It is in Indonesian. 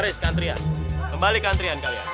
ih jorok banget dia nak